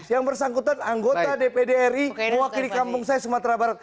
yang bersangkutan anggota dpri mewakili kampung saya sumatera barat